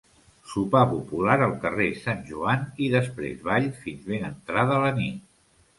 Sopar popular al carrer Sant Joan i després ball fins ben entrada la nit.